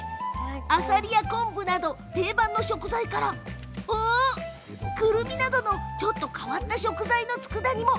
アサリや昆布など定番の食材からくるみなどのちょっと変わった食材のつくだ煮も。